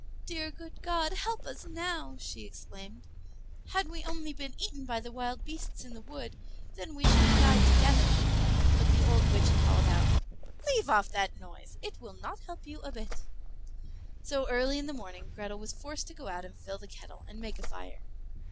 "Dear good God, help us now!" she exclaimed. "Had we only been eaten by the wild beasts in the wood then we should have died together." But the old witch called out, "Leave off that noise; it will not help you a bit." So early in the morning Grethel was forced to go out and fill the kettle, and make a fire.